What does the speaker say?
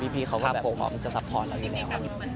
พี่เขาก็แบบขอมันจะซัพพอร์ตเราอีกแล้ว